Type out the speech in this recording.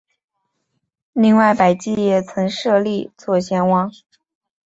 另外百济也曾设立左贤王。